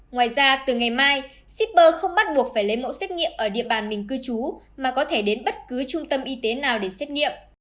ngoài ra từ ngày mai shipper không bắt buộc phải lấy mẫu xét nghiệm ở địa bàn mình cư trú mà có thể đến bất cứ trung tâm y tế nào để xét nghiệm